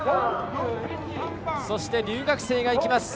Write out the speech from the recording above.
そして、留学生がいきます。